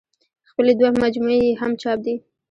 خپلې دوه مجموعې يې هم چاپ دي